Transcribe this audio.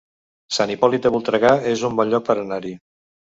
Sant Hipòlit de Voltregà es un bon lloc per anar-hi